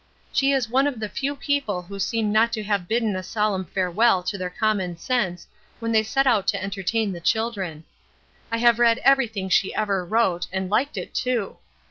"She is one of the few people who seem not to have bidden a solemn farewell to their common sense when they set out to entertain the children. I have read everything she ever wrote, and liked it, too.